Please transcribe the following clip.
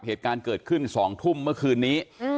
เหตุการณ์เกิดขึ้น๒ทุ่มเมื่อคืนนี้